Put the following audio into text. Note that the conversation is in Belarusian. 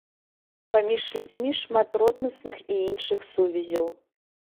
Паміж людзьмі шмат роднасных і іншых сувязяў.